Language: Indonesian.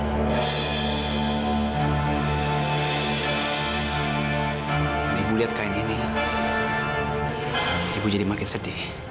ibu lihat kain ini ibu jadi makin sedih